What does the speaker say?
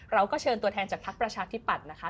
เราก็เชิญตัวแทนจากภักดิ์ประชาธิปัตย์นะคะ